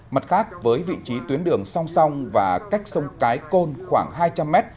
mặt khác với vị trí tuyến đường song song và cách sông cái côn khoảng hai trăm linh mét